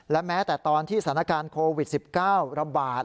และแม้แต่ตอนที่สถานการณ์โควิด๑๙ระบาด